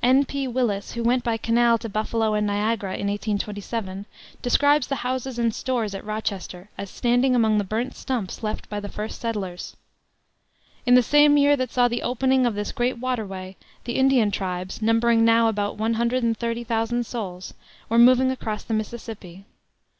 N. P. Willis, who went by canal to Buffalo and Niagara in 1827, describes the houses and stores at Rochester as standing among the burnt stumps left by the first settlers. In the same year that saw the opening of this great water way, the Indian tribes, numbering now about one hundred and thirty thousand souls, were moved across the Mississippi.